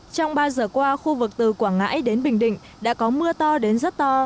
trong ba giờ qua khu vực từ quảng ngãi đến bình định đã có mưa to đến rất to